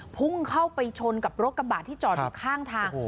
พุ่งเข้าไปชนกับรถกระบะที่จอดอยู่ข้างทาง